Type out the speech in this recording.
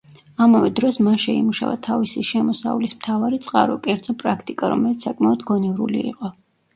ამავე დროს მან შეიმუშავა თავისი შემოსავლის მთავარი წყარო, კერძო პრაქტიკა, რომელიც საკმაოდ გონივრული იყო.